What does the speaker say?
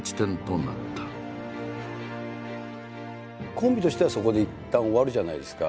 コンビとしてはそこでいったん終わるじゃないですか。